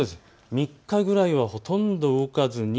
３日ぐらいはほとんど動かず。